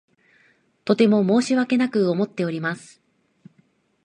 とても申し訳なく思っております。